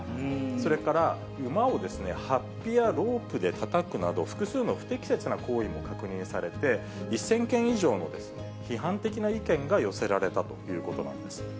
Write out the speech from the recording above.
それから馬をはっぴやロープでたたくなど、複数の不適切な行為も確認されて、１０００件以上の批判的な意見が寄せられたということなんです。